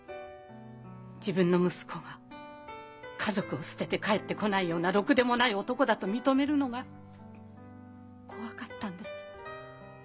自分の息子が家族を捨てて帰ってこないようなろくでもない男だと認めるのが怖かったんです。